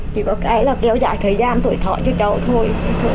chỉ có cái là kéo dài thời gian tuổi thọ cho cháu thôi